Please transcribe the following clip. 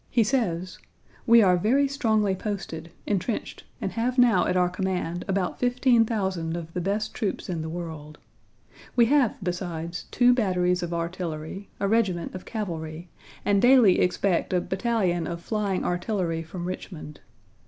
He says: "We are very strongly posted, entrenched, and have now at our command about 15,000 of the best troops in the world. We have besides, two batteries of artillery, a regiment of cavalry, and daily expect a battalion of flying artillery from Richmond.